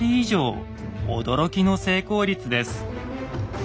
驚きの成功率です。